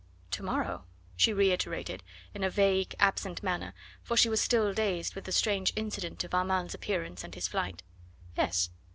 "To morrow?" she reiterated in a vague, absent manner, for she was still dazed with the strange incident of Armand's appearance and his flight. "Yes.